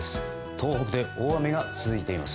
東北で大雨が続いています。